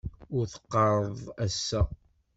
Ur teqqareḍ ass-a?